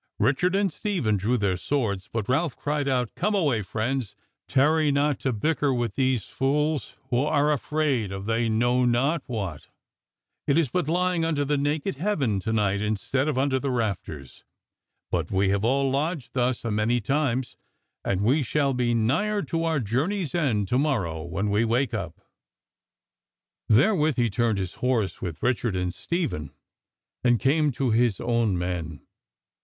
Richard and Stephen drew their swords, but Ralph cried out: "Come away, friends, tarry not to bicker with these fools, who are afraid of they know not what: it is but lying under the naked heaven to night instead of under the rafters, but we have all lodged thus a many times: and we shall be nigher to our journey's end to morrow when we wake up." Therewith he turned his horse with Richard and Stephen and came to his own men.